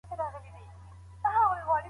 قلمي خط د زده کوونکو د وړتیاوو د ښودلو ځای دی.